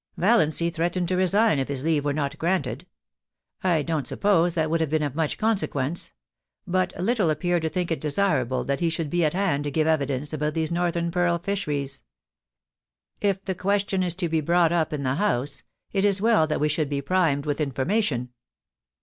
* Valiancy threatened to resign if his leave were not granted. I don't suppose that would have been of much consequence ; but Little appeared to think it desirable that he should be at hand to give evidence about these northern pearl fisheries. If the question is to be brought up in the House, it is as well that we should be primed with informa tion.